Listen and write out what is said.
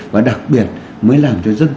và đặc biệt mới làm cho dân thủ hưởng được